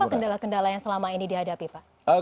apa kendala kendala yang selama ini dihadapi pak